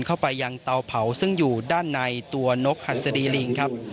เข้าไปยังเตาเผาซึ่งอยู่ด้านในตัวนกหัสดีลิงครับ